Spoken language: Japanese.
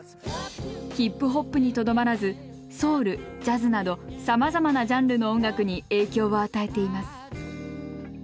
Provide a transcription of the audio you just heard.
ヒップホップにとどまらずソウルジャズなどさまざまなジャンルの音楽に影響を与えています。